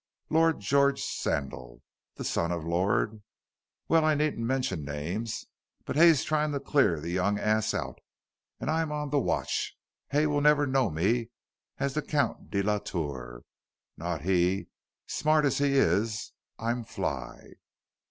Lord George Sandal, the son of Lord well I needn't mention names, but Hay's trying to clear the young ass out, and I'm on the watch. Hay will never know me as the Count de la Tour. Not he, smart as he is. I'm fly!"